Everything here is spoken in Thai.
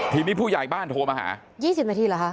ทีนี้ผู้ใหญ่บ้านโทรมาหา๒๐นาทีเหรอคะ